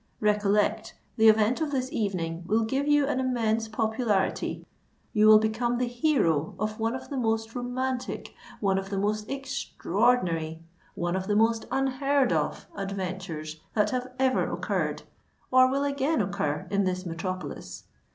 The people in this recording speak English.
Recollect, the event of this evening will give you an immense popularity: you will become the hero of one of the most romantic—one of the most extraordinary—one of the most unheard of adventures that have ever occurred, or will again occur in this metropolis.